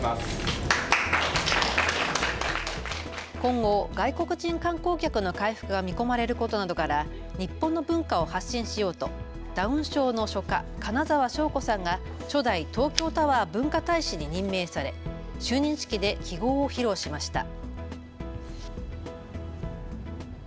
今後、外国人観光客の回復が見込まれることなどから日本の文化を発信しようとダウン症の書家、金澤翔子さんが初代東京タワー文化大使に任命され就任式で揮ごうを披露しました。